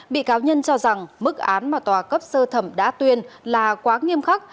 bị cáo nhân cho rằng mức án mà tòa cấp sơ thẩm đã tuyên là quá nghiêm khắc